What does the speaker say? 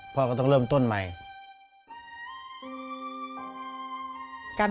พ่อลูกรู้สึกปวดหัวมาก